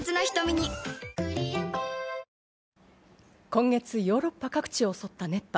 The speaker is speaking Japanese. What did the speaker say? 今月、ヨーロッパ各地を襲った熱波。